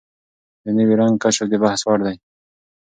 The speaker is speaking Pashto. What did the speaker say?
د نوي رنګ کشف د بحث وړ دی.